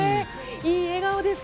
いい笑顔です。